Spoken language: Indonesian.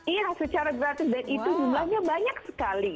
iya secara gratis dan itu jumlahnya banyak sekali